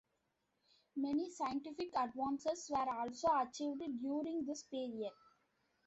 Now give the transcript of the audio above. Many scientific advances were also achieved during this period.